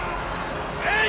えい！